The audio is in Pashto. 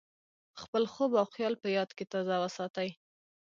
خپل خوب او خیال په یاد کې تازه وساتئ.